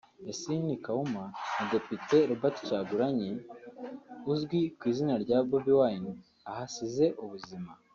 Yasin Kawuma wa Depite Robert Kyagulanyi uzwi ku izina rya Bobi Wine ahasize ubuzima